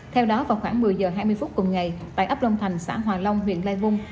theo đó vào khoảng một mươi giờ hai mươi phút cùng ngày tại ấp long thành xã hòa long huyện lai vung